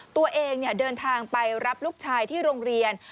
ตัวเองเดินทางไปรับลูกชายที่โรงเรียน